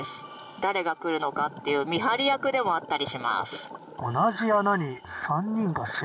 誰が来るのかっていう見張り役でもあったりします。